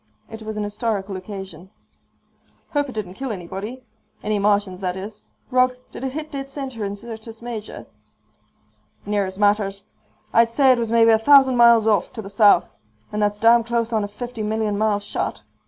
It was an historical occasion. "Hope it didn't kill anybody. Any Martians, that is. Rog, did it hit dead center in Syrtis Major?" "Near as matters. I'd say it was maybe a thousand miles off, to the south. And that's damn close on a fifty million mile shot.